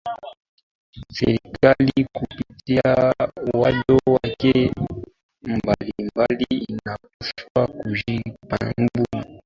Serikali kupitia wadau wake mbalimbali inapaswa kujipambanua kwa kina